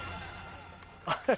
あれ？